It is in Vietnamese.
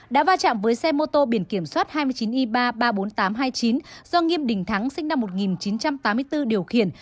đã va chạm với xe mô tô biển kiểm soát hai mươi chín i ba ba mươi bốn nghìn tám trăm hai mươi chín do nghiêm đình thắng sinh năm một nghìn chín trăm tám mươi bốn điều khiển